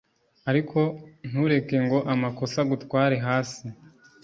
ariko ntureke ngo amakosa agutware hasi